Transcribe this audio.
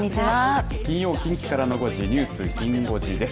金曜、近畿からの５時ニュースきん５時です。